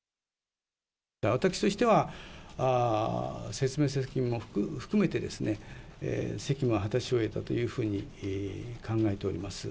私としては、説明責任を含めて、責務は果たし終えたというふうに考えております。